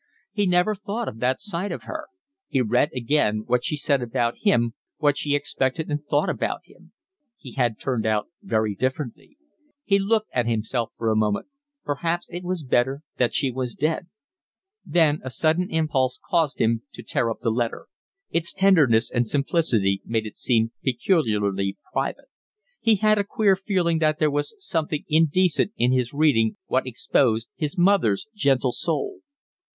He had never thought of that side of her. He read again what she said about him, what she expected and thought about him; he had turned out very differently; he looked at himself for a moment; perhaps it was better that she was dead. Then a sudden impulse caused him to tear up the letter; its tenderness and simplicity made it seem peculiarly private; he had a queer feeling that there was something indecent in his reading what exposed his mother's gentle soul.